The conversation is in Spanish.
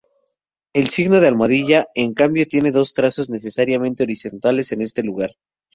El signo de almohadilla, en cambio, tiene dos trazos necesariamente horizontales en este lugar.